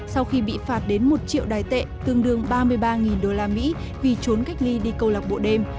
sau khi bị phạt đến một triệu đài tệ tương đương ba mươi ba đô la mỹ vì trốn cách ly đi câu lạc bộ đêm